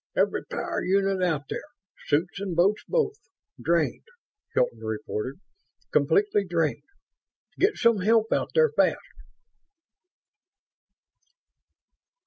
"Every power unit out there suits and boats both drained," Hilton reported. "Completely drained. Get some help out there fast!"